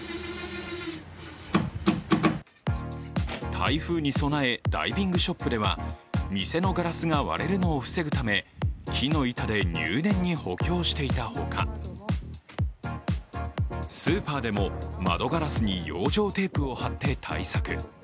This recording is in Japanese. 台風に備え、ダイビングショップでは、店のガラスが割れるのを防ぐため、木の板で入念に補強していたほか、スーパーでも、窓ガラスに養生テープを貼って対策。